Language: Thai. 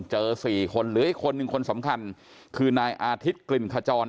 สี่คนเหลืออีกคนนึงคนสำคัญคือนายอาทิตย์กลิ่นขจร